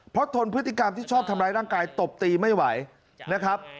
เพราะทนพฤติกรรมที่ชอบทำร้ายร่างกายตบตีไม่ไหวนะครับ